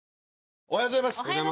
おはようございます。